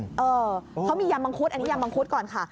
เออเขามียำมังคุดอันนี้ยำมังคุดก่อนค่ะ